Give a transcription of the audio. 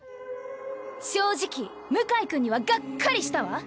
正直向井君にはがっかりしたわ。